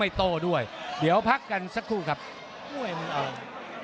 นรินทร์ธรรมีรันดร์อำนาจสายฉลาด